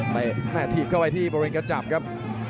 ไปทีบเข้าไปที่บระเวกาจาบครับ